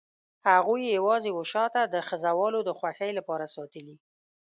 هغوی یې یوازې وه شاته د خزهوالو د خوښۍ لپاره ساتلي.